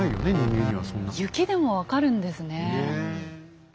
雪でも分かるんですね。